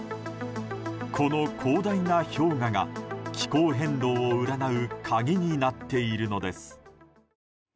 この広大な氷河が気候変動を占う鍵になっているのです。